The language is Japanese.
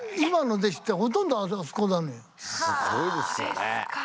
すごいですよね。